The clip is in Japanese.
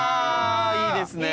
いいですね。